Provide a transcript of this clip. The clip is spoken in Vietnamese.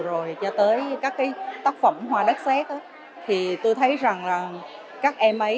rồi cho tới các cái tác phẩm hoa đất xét thì tôi thấy rằng là các em ấy